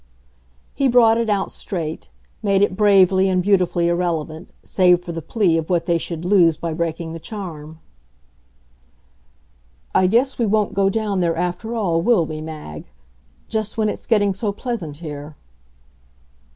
He brought it out straight, made it bravely and beautifully irrelevant, save for the plea of what they should lose by breaking the charm: "I guess we won't go down there after all, will we, Mag? just when it's getting so pleasant here."